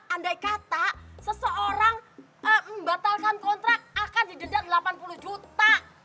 andai kata seseorang membatalkan kontrak akan didenda delapan puluh juta